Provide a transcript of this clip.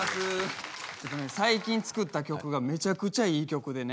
ちょっとね最近作った曲がめちゃくちゃいい曲でね。